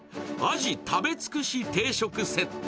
鰺食べ尽くし定食セット。